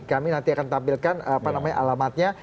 kami nanti akan tampilkan alamatnya